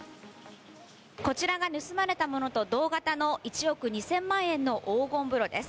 こちらが盗まれたものと同型の１億２０００万円の黄金風呂です。